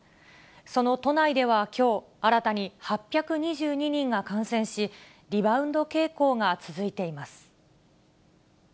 その都内ではきょう、新たに８２２人が感染し、リバウンド傾向が続いています。